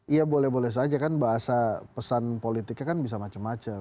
iya boleh boleh saja kan bahasa pesan politiknya kan bisa macam macam